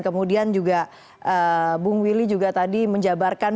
kemudian juga bung willy juga tadi menjabarkan